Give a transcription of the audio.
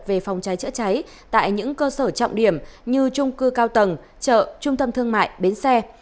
về phòng cháy chữa cháy tại những cơ sở trọng điểm như trung cư cao tầng chợ trung tâm thương mại bến xe